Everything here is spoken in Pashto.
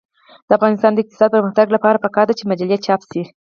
د افغانستان د اقتصادي پرمختګ لپاره پکار ده چې مجلې چاپ شي.